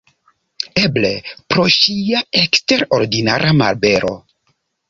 Eble pro ŝia eksterordinara malbelo.